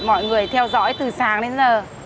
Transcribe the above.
mọi người theo dõi từ sáng đến giờ